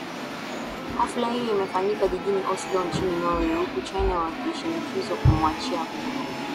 hafla hiyo imefanyika jijini oslo nchini norway huku china wakishinikizwa kumwachia huru